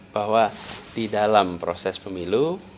bahwa di dalam proses pemilu